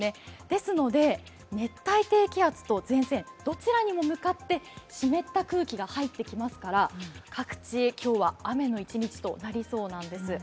ですので、熱帯低気圧と前線どちらにも向かって湿った空気が入ってきますから各地、今日は雨の一日となりそうなんです。